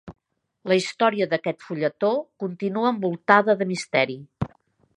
La història d'aquest fulletó continua envoltada de misteri.